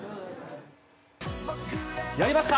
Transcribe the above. やりました！